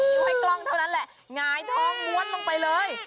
นี่ไว้กล้องเท่านั้นแหละง้ายท้องมวดลงไปเลย